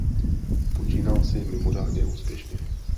Počínal si mimořádně úspěšně.